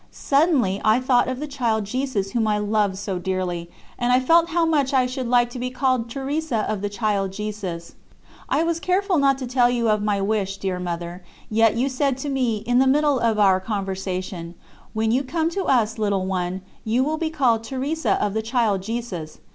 Suddenly I thought of the Child Jesus whom I loved so dearly, and I felt how much I should like to be called Teresa of the Child Jesus. I was careful not to tell you of my wish, dear Mother, yet you said to me, in the middle of our conversation: "When you come to us, little one, you will be called 'Teresa of the Child Jesus.'"